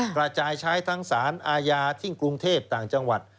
กระจายใช้ทั้งสารอาญาที่กรุงเทพต่างจังหวัด